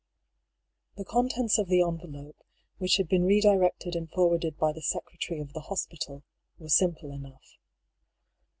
The contents of the envelope, which had been re directed and forwarded by the secretary of the hospital, were simple enough.